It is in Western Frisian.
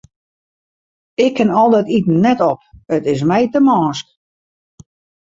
Ik kin al dat iten net op, it is my te mânsk.